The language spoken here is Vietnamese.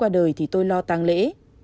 đời thì tôi lo tăng lễ